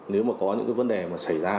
nếu có những vấn đề xảy ra